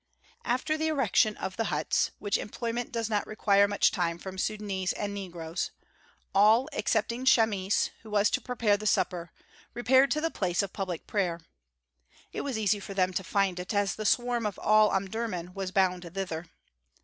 After the erection of the huts, which employment does not require much time from Sudânese and negroes, all, excepting Chamis, who was to prepare the supper, repaired to the place of public prayer. It was easy for them to find it, as the swarm of all Omdurmân was bound thither.